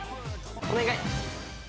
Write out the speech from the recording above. お願い！